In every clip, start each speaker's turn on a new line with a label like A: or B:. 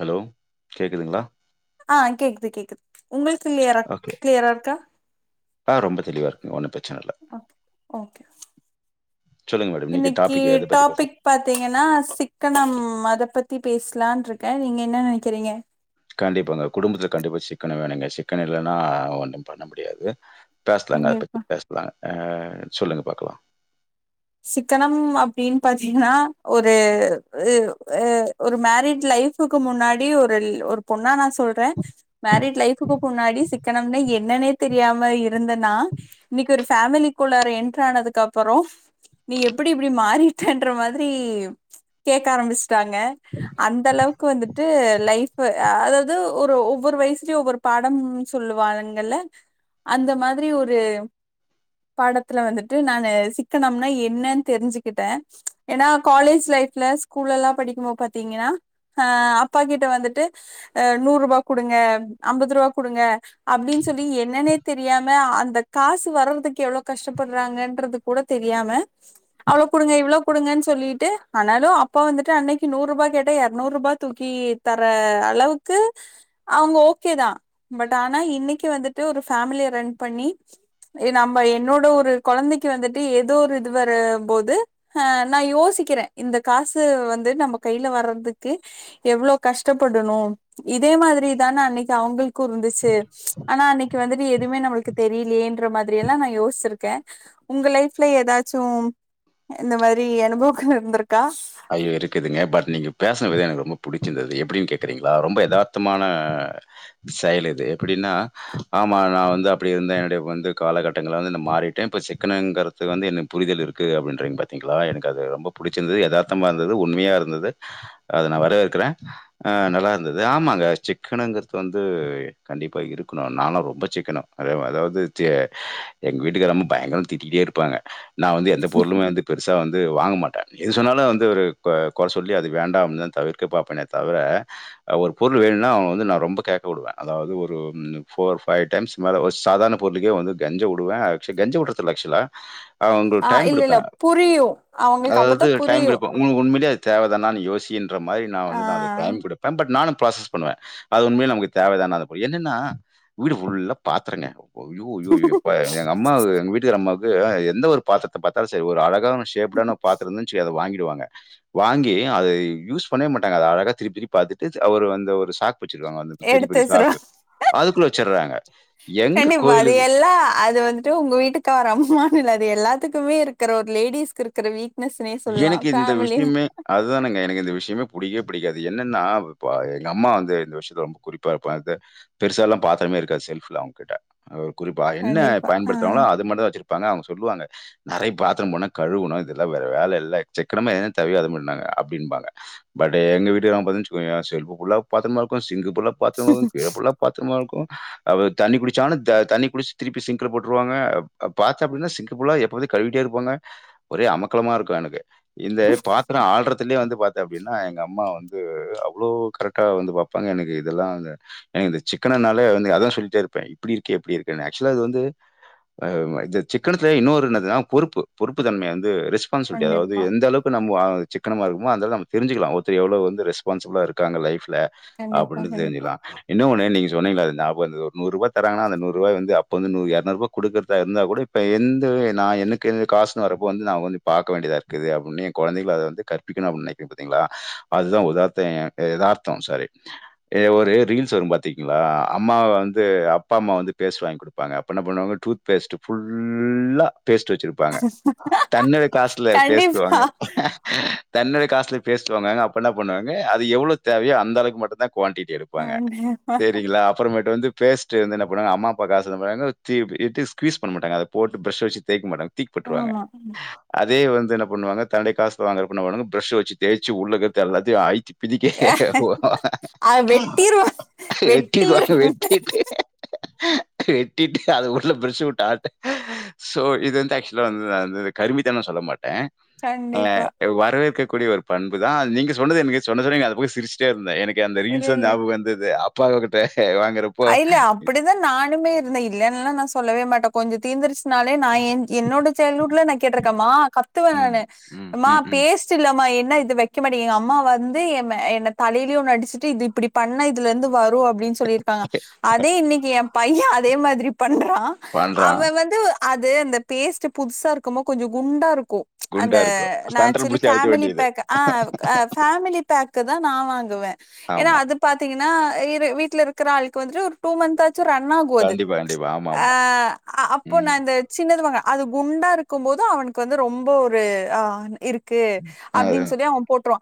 A: Hello கேட்குதுங்களா
B: ஆ கேக்குது கேக்குது உங்களுக்கு கிளியரா
A: ஓகே
B: கிளியரா இருக்கா
A: ஆ ரொம்ப தெளிவா இருக்கு ஒன்னும் பிரச்சனை இல்ல
B: ஓகே ஓகே
A: சொல்லுங்க மேடம் இன்னிக்கு
B: இன்னைக்கு
A: டாபிக் எத பத்தி பேசர
B: டாபிக் பாத்தீங்கன்னா சிக்கனம் அத பத்தி பேசலான்ருக்கேன் நீங்க என்ன நினைக்கிறீங்க
A: கண்டிப்பாங்க குடும்பத்துல கண்டிப்பாக குடும்பத்துல கண்டிப்பா சிக்கன வேணுங்க சிக்கன இல்லைன்னா ஒன்னும் பண்ண முடியாது பேசலாங்க அதை பற்றி
B: கண்டிப்பா
A: பேசலாங்க அ சொல்லுங்கள் பாக்கலாம்
B: சிக்கனம் அப்டின்னு பாத்தீங்கன்னா ஒரு எ ஒ ஒரு மேரேஜ் லைஃப்க்கு முன்னாடி ஒரு ஒரு பொண்ணா நான் சொல்றேன் மேரேஜ் லைஃப்க்கு முன்னாடி சிக்கனம்ன என்னான்னே தெரியாம இருந்த நா இன்னிக்கு ஒரு ஃபேமிலிக்குள்ளார என்டர் ஆனதுக்கு அப்பறோ நீ எப்டி இப்டி மாறிட்டன்ற மாதிரி கேக்க ஆரம்பிச்சுட்டாங்க அந்த அளவுக்கு வந்துட்டு லைஃப் அதாவது ஒரு ஒவ்வொரு வயசுலயும் ஒவ்வொரு படம் சொல்லுவாங்கல அந்த மாதிரி ஒரு பாடத்துல வந்துட்டு நாங்க சிக்கனம்னா என்னன்னு தெரிஞ்சுக்கிட்ட ஏன்னா காலேஜ் லைப்ல ஸ்கூல்ல எல்லாம் படிக்கும்போ பாத்தீங்கன்னா அ அப்பா கிட்ட வந்துட்டு அ நூறு ரூபா குடுங்க அம்பது ரூபா குடுங்க அப்டின்னு சொல்லி என்னன்னே தெரியாம அந்த காசு வர்றதுக்கு எவ்ளோ கஷ்டப்படுறாங்கன்றது கூட தெரியாம அவ்ளோ குடுங்க இவ்ளோ குடுங்கன்னு சொல்லிட்டு ஆனாலும் அப்பா வந்துட்டு அன்னைக்கு நூறுரூபாய் கேட்டா இரநூறுபாய் தூக்கி தர அளவுக்கு அவுங்க ஓகே தான் பட் ஆனா இன்னிக்கு வந்துட்டு ஒரு ஃபேமிலிய ரன் பண்ணி இது நம்ம என்னோட ஒரு கொழந்தைக்கு வந்துட்டு ஏதோ ஒரு இது வரும்போது அ நான் யோசிக்கிறே இந்த காசு வந்து நம்ம கையில வர்றதுக்கு எவ்ளோ கஷ்டப்படணு இதே மாரிதான அன்னைக்கு அவுங்களுக்கு இருந்துச்சு ஆனா அன்னைக்கு வந்துட்டு எதுமே நம்மளுக்கு தெரியலயேன்ற மாரி எல்லா நா யோசிச்சிருக்க உங்க லைஃப் ல எதாச்சு இந்த மாரி அனுபவங்கள் இருந்திருக்கா
A: அ இருக்குதுங்க பட் நீங்க பேசன விதோ எனக்கு ரொம்ப புடிச்சிருந்தது எப்டின்னு கேக்கறீங்ளா ரொம்ப எதார்த்தமான சைலன்ட் எப்டினா ஆமா நா வந்து அப்டி இருந்த என்னுடைய வந்து காலகட்டங்கள வந்து நா மாறிட்ட இப்ப சிக்கனங்கறது இது வந்து என்ன புரிதல் இருக்கு அப்டின்றீங்க பாத்தீங்ளா எனக்கு அது ரொம்ப புடிச்சிருந்துது எதார் த்தமா இருந்தது உண்மயா இருந்தது அத நா வரவேற்கிற அ நல்லா இருந்தது ஆமாங்க சிக்கனுங்கிறது வந்து கண்டிப்பா இருக்கணு நா எல்லா ரொம்ப சிக்கனோ அதா அதாவது எங்க வீட்டுக்காரம்மா பயங்கரமா திட்டிட்டே இருப்பாங்க நா வந்து பொருளுமே வந்து பெருசா வந்து வாங்க மாட்ட எது சொன்னாலு து ஒரு கொற சொல்லி அது வேண்டாம்னுதா தவிர்க்க பாப்பேனே தவிர ஒரு பொருள் வேணுனா அவ வந்து நா ரொம்ப கேக்க விடுவ அதாவது ஒரு ஃபோர் ஃபைவ் டைம்ஸ் மேல ஸ் ஒரு சாதாரண பொருளுக்கே வந்து கெஞ்ச வுடுவ அக்சு கெஞ்ச விடறதில்ல அக்சுலா
B: ஆ இல்ல இல்ல புரியு அவுங்களுக்கு அப்பதா புரியு
A: உண்மையிலே அது தேவ தானானு யோசின்ற மாரி நா
B: ஆ
A: வந்து நா அது டைம் குடுப் பயன்பாட் நானு ப்ராசஸ் பண்ணுவ அது உண்மையே நமக்கு தேவ தானா அந்த பொய் என்னனா வீடு ஃபுல்லா பாத்திரங்க அய்யோ அய்யோ எப்பா எங்க அம்மா எங்க வீட்டுக்கார அம்மாவுக்கு எந்த ஒரு பாத்திரத்த பாத்தாலு சரி ஒரு அழகான ஷேப்டான பாத்திரோ இருந்துச்சுவெயே அத வாங்கி வாங்கி அத யூஸ் பண்ணவே மாட்டாங்க அத அழகா திருப்பி திருப்பி பாத்துட்டு அவரு வந்த ஒரு சா வெச்சிருகாங்க அந்த பெரிய
B: எடுத்து
A: பெரிய
B: வச்சிருவா
A: ஸ்லாக்கு அதுக்குள்ள வெச்சுர்றாங்க எங்க கோயிலுக்
B: ட்டு உங்க வீட்டுக்கார அம்மானு இல்ல அது எல்லாத்துக்குமே இருக்கிற ஒரு லேடிஸ்க்கு இருக்கிற வீக் னஸ்னே சொல்லா ஃபேமிலி
A: அதுதானுங்க எனக்கு இந்த விஷ்யமே புடிக்கே புடிக்காது என்னனா இப்ப எங்க அம்மா வந்து இந்த விஷ்யத்துல ரொம்ப குறிப்பா இருப்பாங்க இத பெருசா எல்லா பாத்திரமே இருக்காது செல்ஃப்ல அவுங்கிட்ட அ குறிப்பா என்ன
B: கண்டிப்பா. ஆ
A: பயன்படுத்துவாங்ளோ அது மட்டுந்தா வெச்சிரு ப்பாங்க அவுங்க சொல்லுவங்க நெறயா பாத்திரம் போனா கழுவணு இதெல்லா வேற வேல இல்ல சிக்கனமா ஏன் தேவயோ அப்டின்பாங்க பட் எங்க வீட்டுகாரம்மா பாத்தியா வெச்சுக்கோயே செல்ஃப் ஃபுல்லா பாத்திரமா இருக்கு சிங்க் ஃபுல்லா பாத்திரமா இருக்கு [unintelligible] பாத்திரமா இருக்கு அவ தண்ணி குடிச்சானு த தண்ணி குடிச்சு திருப்பி சிங்குல போட்டுருவாங்க பாத்தா அப்டினா சிங்க் ஃபுல்லா எப்போது கழுவிட்டே இருப்பாங்க ஒரே அமக கலமா இருக்கு எனக்கு இந்த பாத்திரோ ஆள்றதிலே வந்து பா அப்டினா எங்க அம்மா வந்து அவ்ளோ கரெக்டா வந்து பாப்பாங்க எனக்கு இதெல்லா இந்த எனக்கு இந்த சிக்கனனாலே வந்து அதா சொல்லிட்டே இருப்பே இப்டி இருக்கே இப்டி இருக்கேன்னு ஆக்சுவலா அது வந்து அ இது சிக்கனத்துல இன்னொரு என்னதுனா பொறுப்பு பொறுப்பு தன்மய வந்து ரெஸ்பான்சிபிலிட்டி அதாது
B: கண்டிப்பா,
A: எந்த அளவு க்கு இப்ப நம்மோ சிக்கனமா இருக்கும்போது அதால நம்ம தெரிஞ்சிக்கலா ஒருத்தங்க எவ்ளோ வந்து ரெஸ்பான்சிபிளா இருக்காங்க லைஃப்ல
B: கண்டிப்பா,
A: அப்டின்னு
B: கண்டிப்பா.
A: தெரிஞ்சுகலா என்ன ஒன்னு நீங்க சொன்னீங்ளே அது நியாபோ வந்தது ஒரு நூறு ரூபா தராங்கனா அந்த நூறு ரூபா வந்து அப்ப வந்து நூ இரநூறு ரூபா கொடுக்கறதா இருந்தா கூட இப்ப எந்த நா எனக்கு காசுன்னு வரப்போ வந்து நா வந்து பாக்க வேண்டிதா இருக்குது அப்டின்னு என் குழந்தைகள அத வந்து கற்பிக்கணு அப்டின்னு நெனக்கிறீங்க பாத்தீங்ளா அதுதா உதார்த்த எதார்த்தோ சாரி ஏ ஒரு ரீல்ஸ் வரு பாத்திருக்கீங்களா அம்மாவ வந்து அப்பா அம்மா வந்து பேஸ்ட் வாங்கி குடுப்பாங்க அப்போ என்ன பண்ணுவாங்க டூ பேஸ்ட் ஃபுல்லா பேஸ்ட் வச்சிருப்பாங்க தன்னிலை லாஸ்ட்ல பேஸ்ட்டு
B: கண்டிப்பா,
A: வாங்க தன்னுடைய காசுல பேஸ்ட் வாங்கு வாங்க அப்ப என்ன பண்ணுவாங்க அது எவ்ளோ தேவயோ அந்த அளவுக்கு மட்டுந்தா குவான்டிட்டி இருக்கு பாங்க
B: கண்டிப்பா.
A: சேரிங்களா அப்ற மாட்டு வந்து பேஸ்ட்டு வந்து என்ன பண்ணுவாங்க அம்மா அப்பா காசு என்ன பண்ணுவாங்க [unintelligible] ட் ஸ் பீஸ் பண்ண மாட்டாங்க அத போட்டு் ப்ரஷ் ச வச்சு தேய்க்க மாட்டாங்க தூக் போட்டுருவாங்க
B: ஆமா.
A: அதே வந்து என்ன பண்ணுவாங்க தன்னுடை காசுல வாங்குறப்ப என்ன பண்ணுவாங்க பிரஷ்ச வச்சு தேய்ச்சு உள்ளக்கிறது எல்லாத்தையு அழிச்சி பிதுக்கே
B: அ வெட்டிருவாங்க. வெட்டிரு
A: வெட்டிருவாங்க வெட்டிட்டு வெட்டிட்டு அது உள்ள ப்ரஷ்சவுட்டு ஆட்டு சோ இது வந்து ஆக்சுவலா வந்து நா வந்து கருமின் லா நா சொல்ல மாட்டே அ
B: கண்டிப்பா.
A: வரவேற்கக் கூடிய ஒரு பண்புதா அது நீங்க சொன்னது எனக்கு சொன்னது நீங்க அந்த பக்கோ சிரிச் டே இருந்தே எனக்கு அந்த
B: இல்ல,
A: ரீல்ஸ்த
B: இல்ல.
A: ஞயாப வந்தது அப்பாகிட்ட வாங்குற
B: அ இல்ல அப்டிதா நானுமே இருந்தே இல்லன்னுல்லா நா சொல்லவே மாட்டே கொஞ்ச தீந்திருச் னாலே நா எ என்னோட சைல்ட்ஹூட்ல நா கேட்ருக்கே மா கத்துவே
A: ம்,
B: நானு
A: ம்,
B: அம்மா
A: ம், ம்.
B: பேஸ்ட் இல்லமா என்ன இது வக் க மாட்டீங்க எங்க அம்மா வந்து எ மே என்ன தலையிலே ஒன்னு அடிச்சுட்டு இது இப்டி பண்ணா இதுல இருந்து வரு அப்டின்னு சொல்லிரு ப்பாங்க அதே இன்னைக்கி எ பைய அதே மாதிரி பண்றா
A: பண்றான்.
B: அவே வந்து அது அந்த பேஸ்ட் புதுசா இருக்குமோ கொஞ்ச குண்டா இருக்கு அந்த
A: குண்டா இருக்கும்.
B: நா
A: சென்டர்
B: ஆக்சுவலி
A: புடிச்சு அடிக்க
B: ஃபேமிலி
A: வேண்டியது.
B: பேக் ஆ அ ஃபேமிலி பேக்க தா நா வாங்குவே ஏனா
A: ஆமா.
B: அது பாத்தீங்கன்னா இது வீட்ல இரு இருக்குற ஆளுக்கு வந்துடு ஒரு டூ மந்தாச்சு ரன் ஆகு அது
A: கண்டிப்பா, கண்டிப்பா. ஆமா,
B: அ
A: ஆமா.
B: அப்போ நா
A: ம்.
B: இந்த சின்னதுவங்க அது குண்டா இருக்கும் போது அவனுக்கு வந்து ரொம்போ ஒரு ஆ இருக் கு
A: அது
B: அப்டின் சொல்லி அவ போட் றுவ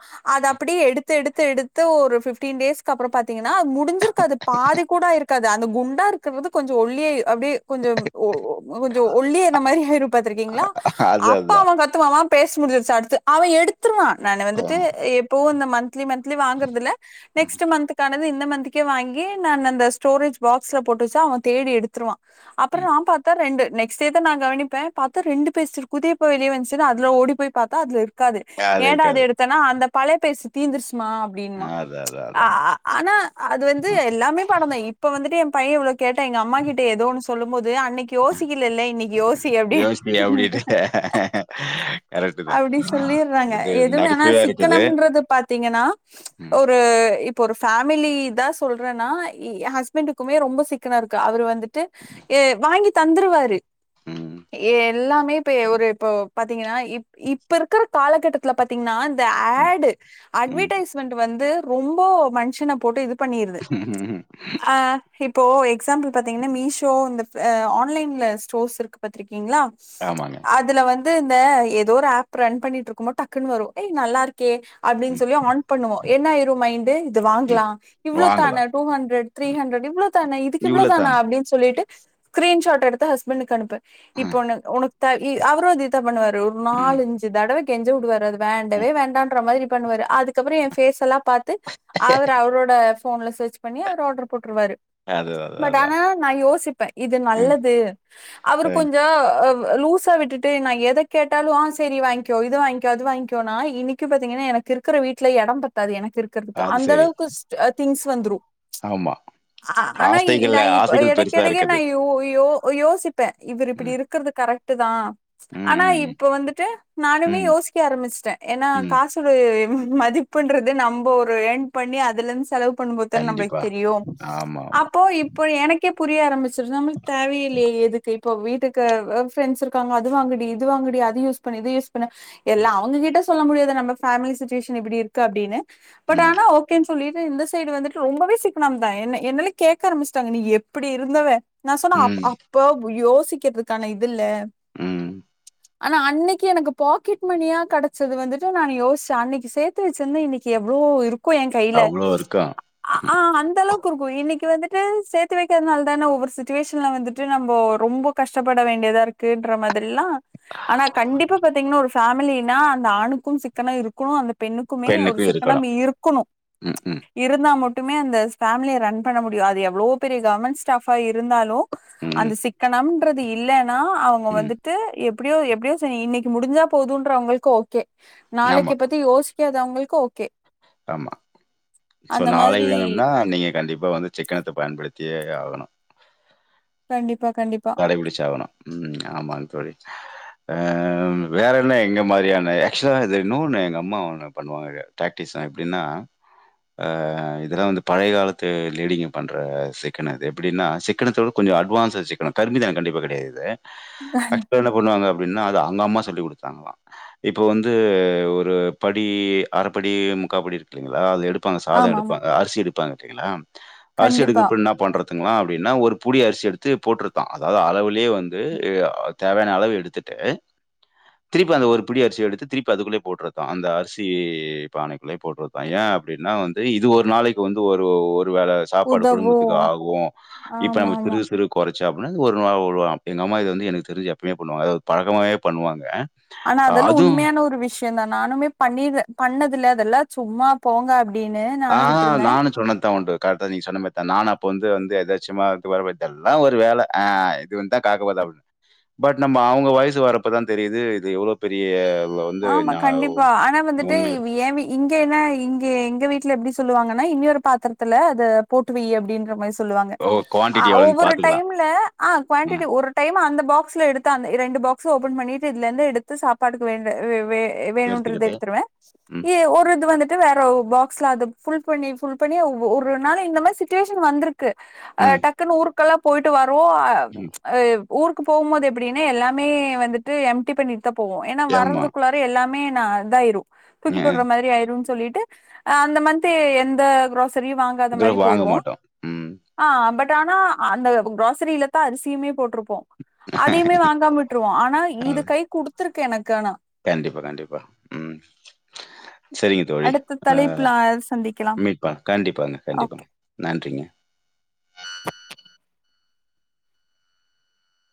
B: அப்டியே எடுத்து எடுத்து எடுத்து ஒரு பிஃப்டீன் டேசுக்கு அப்றோ பாத்தீங்கனா முடிஞ்சிருக்காது பாதி கூட இருக்காது அந்த குண்டா இருக்கறது கொஞ்சோ ஒல்லியாயி அப்டியே கொஞ்சம் ஓ ஓ கொஞ்சோ ஒல்லியான மாரி ஆயுரு பாத்திருக்கீங்ளா
A: அது
B: அப்ப
A: அதான்.
B: அவ கத் துவ அவ பேசி முடிஞ்சிருச்சு அடுத்து அவ எடுத்துருவா நானு வந்துட்டு
A: ம்.
B: எப்போ இந்த மந்த் மந்த்லி மந்திலி வாங்கறதுல நெக்ஸ்ட் மந்த்கானது இந்த மந்துக்கே வாங் ஏனா நா அந்த ஸ்டோரேஜ் பாக்ஸ்ல போட்டுச் வச்சா அவ தேடி எடுத்துருவா அப்றோ
A: ம்.
B: நா பாத்தா ரெண்டு நெக் சேத்து நா கவனிப்பே பாத்தா ரெண்டு பேஸ்டிருக்கு இதிய எப்ப வெளிய வந்துச்சு அதுல ஓடிப்போயி பாத்தா அதுல இருக் க்காது
A: அது
B: ஏண்டா அத
A: இருக்காது.
B: எடுத்தன்னா அந்த பழைய பேஸ்டு தீந்துருச்சுமா அப்டின்வா
A: அதான், அதான், அதான்.
B: ஆனா அது வந்
A: ம்.
B: எல்லாமே படந்தா இப்ப வந்துட்டு எ பைய இவ்ளோ கேட்ட எங்க அம்மா கிட்ட ஏதோ ஒன்னு சொல்லும்போது அன்னைக்கி யோசிக்கல்லல்ல இன்னைக் யோசி அப்டி
A: யோசி அப்டின்ட்டு. கரெக்ட்டு தான்.
B: அப்டி சொல்லிறாங்க
A: இது
B: எதுமே ஆனா
A: நகைச்சுவையா
B: சிக்
A: இருக்குது.
B: க்கம்ன்றது பாத்தீங்கன்னா
A: ம்.
B: ஒரு இப்போ ஒரு ஃபேமிலி தா சொல்றேன்னா எ ஹஸ்பெண்டுக்குமே ரொம்ப சிக்கன இருக்கு அவர் வந்துட்டு எ வாங்கித் தந்துருவாரு
A: ம்.
B: ஏ எல்லாமே இப்ப ஒரு இப்ப பாத்தீங்கன்னா இப் இப்ப இருக்கிற காலகட்டத்தில பாத்தீங்கன்னா இந்த
A: ம்.
B: அட்டு அட்வர்டைஸ்மெண்ட் வந்து ரொம்ப மனுஷன போட்டு இது பண்ணிருது
A: ம்.
B: ஆ இப்போ எக்ஸாம்பிள் பாத்தீங்கன்னா மீஷோ இந்த ஆன்லைன்ல ஸ்டோர்ஸ் இருக்கு பாத்திருக்கீங்ளா
A: ஆமாங்க.
B: அதுல வந் இது இந்த ஏதோ ஒரு ஆப் ரன் பண்ணிட்டு இருக்கம் போ டக்குன்ன வரு ஏய் நல்லா இருக்கே அப்டின்னு
A: ம்.
B: சொல்லி ஆன் பண்ணுவோ என்ன ஆயிரு மைண்ட்டு இது
A: ம்.
B: வாங்லா இவ்ள தானே
A: வாங்கலாம்.
B: டூ ஹண்ட்ரட்டு த்ரீ ஹண்ட்ரட்டு இவ்ள தானே இதுக்கு இவ்ளோ தானா அப்டினு சொல்லிட்டு ஸ்கரீன்ஷாட் எடுத்து ஹஸ்பண்ட்டுக்கு அனுப்பு இப்ப
A: ம்.
B: உன உனக் த இ அவரு அதே தா பண்ணுவாரு ஒரு
A: ம்.
B: நாலு அஞ்சு தடவ கெஞ்ச விடுவாரு அது வேண்டவே
A: ம்.
B: வேண்டான்ற மாதிரி பண்ணுவாரு அதுக்கப்பற எ ஃபேஸ் எல்லா பாத்து அவரு அவரோட ஃபோன்ல சர்ச் பண்ணி அவரு ஆர்டர் போட்ருவாரு
A: அதுதான், அதான்,
B: பட் ஆனா
A: அதான்.
B: நா யோசிப் பே இது
A: ம்.
B: நல்லது அவரு
A: ம்.
B: கொஞ்சோ அ அ லூசா விட்டுட்டு நா எத கேட்டாலு ஆ செரி வாங்க்கோ இது வாங்க்கோ அது வாங்க்கோனா இன்னைக்கு பாத்தீங்கன்னா எனக்கு இருக் குற வீட்ல எட பத்தாது எனக்கு இருக்குறதுக்கு
A: அது
B: அந்த
A: சரி.
B: அளவுக்கு ஸ்ட் திங்ஸ் வந்துரு
A: ஆமா
B: ஆ ஆனா இ நா
A: ஆசைகள்ல
B: இப்ப
A: ஆசைகள் பெருசா
B: எடைக்கெடைக்கே நா
A: இருக்குது.
B: யோ யோ யோசிப்பே இவரு
A: ம்.
B: இப்டி இருக்குறது கரெக் டுதா ஆனா
A: ம்,
B: இப்ப வந்துட்டு
A: ம்,
B: நானுமே
A: ம்,
B: யோசிக்க ஆரம்பிச் சுட்டே ஏன்னா
A: ம்.
B: காசு கொரு மதிப்புன்றது நம்ப ஒரு எர்ன் பண்ணி அதுல இருந்து செலவு பண்ணும்போது தானே நம்ப்ளுக்கு
A: கண்டிப்பா.
B: தெரியு
A: ஆமா, ஆமா.
B: அப்போ இப் போ எனக்கே புரிய ஆரம்பிச்சிரு நமள்க் தேவையே இல்லையே எதுக்கு இப்போ வீட்டுக்குஅ ஃப்ரெண்டஸ் இரு க்காங்க அது வாங்குடி இது வாங்குடி அது யூஸ் பண்ணு இது யூஸ் பண்ணு எல்லா அவங்ககிட்ட சொல்ல முடியாது நம்ம ஃபேமிலி சுச்சுவேஷன் எப்டி இருக்கு அப்டின்னு பட்
A: ம்,
B: ஆனா ஓகேனு சொல்லிட் டு இந்த சைடு வந்துட்டு ரொம்பவே சிக்கனம் தா என்ன என்னால கேக்க ஆரம்பிச்சுட்டாங்க நீ எப்படி இருந்தவ நா சொன்னே அப்
A: ம்,
B: அப்ப யோசிக்கிறதுக்கான இதுல்ல
A: ம்.
B: ஆனா அன்னைக்கு எனக்கு பாக்கெட் மணியா கெடச்சது வந்துட்டு நான் யோச்சே அன்னைக்கு சேத்து வெச்சிருந்தா இன்னைக்கு எவ்ளோ இரு க்கோ எ கையில
A: அவ்ளோ இருக்கா
B: ஆ அந்த அளவுக்கு இருக்கு இன்னைக்கு வந்துட்டு சேத்து வைக்கிறதுனால தானே ஒவ்வொரு சுட்டுவேஷன்ல வந்து ட்டு நம்பொ ரொம்ப கஷ்டப்பட வேண்டியதா இருக்குன்ற மாதிரிலா ஆனா கண்டிப்பா பாத்தீங்கன்னா ஒரு ஃபேமிலினா அந்த ஆணுக்கும் சிக்கன இருக்கு அந்த பெண்ணுக்குமே ஒரு
A: பெண்ணுக்கும்
B: சிக்கனம்
A: இருக்கணும்.
B: இருக்குனு
A: ம் ம்.
B: இருந்தா மட்டுமே அந்த ஃபேமிலிய ரன் பண்ண முடியு. அது எவ்ளோ பெரிய கவர்மெண்ட் ஸ்டாஃபா இருந்தாலு அந்த
A: ம்,
B: சிக்கனம்ன்றது இல்லைன்னா அவங்க
A: ம்.
B: வந்து. ட்டு எப்டியோ எப்டியோ சேரி இன்னைக்கு முடிஞ்சா போதுன்றவங்களுக்கு ஓகே
A: ஆமா,
B: நாளைக்க பத் தி யோசிக்காதவங்களுக்கு ஓகே.
A: ஆமா ஸோ
B: அந்த
A: நாளை
B: மாதிரி
A: வேணும்னா நீங்க கண்டிப்பா வந்து சிக்கனத்த பயன்படுத்தியே ஆகனு
B: கண்டிப்பா கண்டிப்பா.
A: கை புடிச்சாவனு ம் ஆமா தோழி. ஆ ம் வேற என்ன எங்க மாரியான ஆக்சுவலா இது இன்னொன்னு எங்க அம்மா ஒண்ணு பண்ணுவாங்க. பிராக்டிஸ்சா எப்டின்னா. ஆ இதெல்லா வந்து பழைய காலத்து லேடிங்க பண்ற சிக்கன இது எப்படின்னா சிக்கனத்த கொஞ்ச அட்வான்ஸ்சா சிக்கன கருமிதன கண்டிப்பா கெடையாது. பண்ணுவாங்க அப்டின்னா அது அங்க அம்மா சொல்லி குடுத்தாங்கலா இப்போ வந்து ஒரு படி அரபடி முக்கா படி இருக்குல்லீங்களா அது எடுப் பாங்க சாத
B: ஆமா ஆமா
A: எடுப்பாங்க அரிசி எடுப்பாங்க கேங்களா அரிசி
B: கண்டிப்பா
A: எடுக்கப்ப இன்னா. பண்றதுங்களா அப்டின்னா ஒரு புடி அரிசி எடுத்து போட்று பா அதாவது அளவுலேயே வந்து ஆ தேவையான அளவு எடுத்துட்டு. திருப்பி அந்த ஒரு புடி அரிசி எடுத்து திருப்பி அதுக்குள்ளயே போட்றதா அந்த அரிசி பானைக்குள்ளே. போட்டுறுதா பைய அப்டின்னா வந்து இது ஒரு நாளைக்கு வந்து ஒரு ஒரு வேல. சாப்பாடு
B: உதவு
A: குடும்பத்துக்கு ஆகு இப்ப
B: ஆமா
A: நம்மக்கு
B: ஆமா
A: சுறு. சே அப்டினா இது ஒரு நாள் ஓர் ரூவா. எங்கம்மா இது வந்து எனக்கு தெரிஞ்சு எப்பையுமே பண்ணுவாங்க அது அத பழக்கமாவே பண்ணுவாங்க.
B: ஆனா
A: அஹ்
B: அதெல்லா
A: அதுவும்
B: உண்மையான ஒரு விஷ்யோ தா நானுமே பண்ணிது பண்ணதில்ல அதெல்லா சும்மா போங்க. அப்டின்னு
A: ஆ
B: நானு விட்ருந்தே
A: நானு சொன்னத்தா உண்டு கரெக்ட்டா நீங்க சொன்ன மாரி தா நானு அப்ப வந்து வந்து எதாச்சி சும்மா இருந்து வரர்தெல்லா ஒரு வேல ஆ இது வந்தா காக்க போது அப்டின் பட் நம்ப அவுங்க வயசு வர்ரப்பதா தெரியுது இது எவ்ளோ பெரிய அளவுக்
B: ஆமா கண்டிப்பா ஆனா வந்துட்டு இவ்வி எயாவி இங்க என்ன இங்க எங்க வீட்ல எப்டி சொல்லுவாங்கன்னா இன்னியொரு பாத்துரத்துல அத போட்டு வெய்யி அப்டின்ற மாரி. சொல்லுவாங்க
A: ஓ
B: ஆ
A: குவான்டிட்டி எவ்வளோன்னு
B: ஒவ்வொரு
A: பாத்துக்கலாம்.
B: டைம்ல ஆ
A: ம்.
B: குவாண்டிட்டி ஓர் டைம் அந்த பாக்ஸ்ல எடுத்து அந்த ரெண்டு பாக்ஸ்சு ஓபன் பண்ணிட்டு இதுலேந்து எடுத்து சாப்பாடுக்கு வேண்ட வே வே வேணுன்றத
A: சேர்த்துக்கிட்டு
B: எடுத்துருவே
A: ம்
B: ஏ ஒரு இது வந்துட் வேற ஒரு பாக்ஸ்ல அத ஃபுல் பண்ணி ஃபுல் பண்ணி ஒவ் ஒரு நாள் இந்த மாரி சுச்சுவேஷன் வந்துருக் க்கு ஆ
A: ம்,
B: டக்குன்னு ஊருக்கெல்லா போயிட்டு வரவு
A: ம்.
B: ஊருக்கு போவும்மோது எப்டின்னு எல்லாமே வந்துட்டு எம்டி பண்ணிட்டு தா போவோ ஏன்னா
A: ஆமா
B: வர்றதுக்குள்ளாற. வந்து எல்லாமே நா இதாயிரு தூக்கி
A: ம்,
B: போட்ற மாரி ஆயிரும் சொல்லிட்டு. ஆ அந்த மந்த்து எந்த கிராசரியு வாங்காத மாரி
A: குரூப் வாங்க
B: போயிருவோ
A: மாட்டோம் ம்
B: ஆ பட் ஆனா அந்த கிராசரியில தா அரிசியுமே போட்டிருப்போ அதையுமே வாங்காம. விட்ருவோ ஆனா இது
A: அது
B: கை குடுத்துருக்க எனக்கு ஆனா.
A: கண்டிப்பா கண்டிப்பா ம் சேரிங்க தோழி
B: அடுத்த
A: ஆ
B: தலைப்புல சந்திக்கலாம்
A: மீட்பா கண்டிப்பாங்க
B: ஓகே
A: கண்டிப்பாங்க நன்றிங்க.